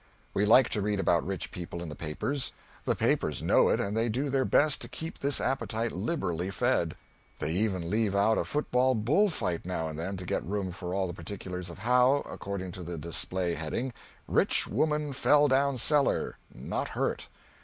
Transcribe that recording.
We like to read about rich people in the papers; the papers know it, and they do their best to keep this appetite liberally fed. They even leave out a football bull fight now and then to get room for all the particulars of how according to the display heading "Rich Woman Fell Down Cellar Not Hurt."